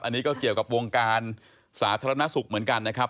อันนี้ก็เกี่ยวกับวงการสาธารณสุขเหมือนกันนะครับ